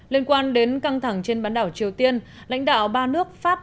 liên quan đến căng thẳng trên bán đảo triều tiên lãnh đạo ba nước pháp